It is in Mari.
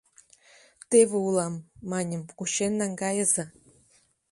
«Теве улам, — маньым, — кучен наҥгайыза.